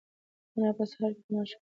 انا په سهار کې د ماشوم مخ ته کتل.